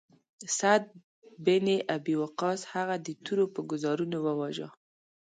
سعد بن ابی وقاص هغه د تورو په ګوزارونو وواژه.